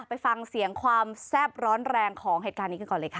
ไปฟังเสียงความแซ่บร้อนแรงของเหตุการณ์นี้กันก่อนเลยค่ะ